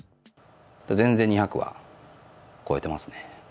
全然２００は超えてますね。